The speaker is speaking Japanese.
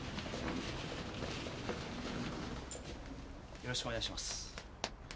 よろしくお願いします。